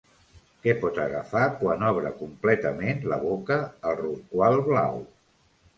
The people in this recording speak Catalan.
Què pot agafar quan obre completament la boca el rorqual blau?